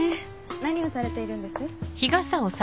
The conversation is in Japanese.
何をされているんです？